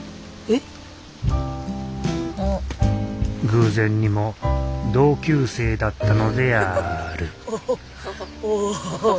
偶然にも同級生だったのであるおお。